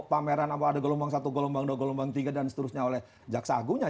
pameran apa ada gelombang satu gelombang dua gelombang tiga dan seterusnya oleh jaksa agungnya